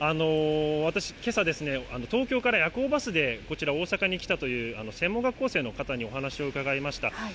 私、けさですね、東京から夜行バスでこちら、大阪に来たという専門学校生の方にお話を伺いました。